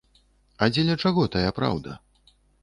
А дзеля чаго тая праўда?